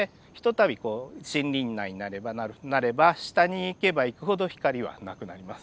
たび森林内になれば下に行けば行くほど光はなくなります。